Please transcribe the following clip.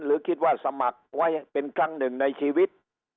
หรือคิดว่าสมัครไว้เป็นครั้งหนึ่งในชีวิต